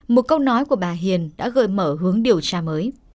một câu nói của bà hiền đã gợi mở hướng điều tra mới